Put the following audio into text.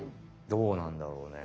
どうなんだろうね。